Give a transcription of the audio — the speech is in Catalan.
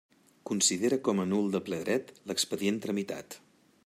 Considera com a nul de ple dret l'expedient tramitat.